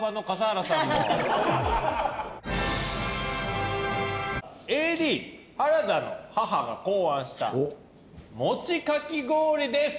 ＡＤ原田の母が考案したもちかき氷です。